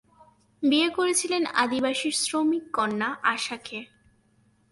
বিয়ে করেছিলেন আদিবাসী শ্রমিক কন্যা আশা কে।